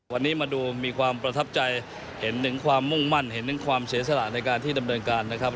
วันนี้มาดูมีความประทับใจเห็นถึงความมุ่งมั่นเห็นถึงความเสียสละในการที่ดำเนินการนะครับ